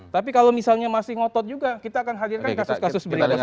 tapi kalau misalnya masih ngotot juga kita akan hadirkan kasus kasus berikutnya